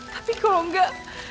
tapi kalau enggak